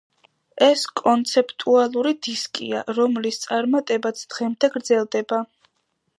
ეს კონცეპტუალური დისკია, რომლის წარმატებაც დღემდე გრძელდება.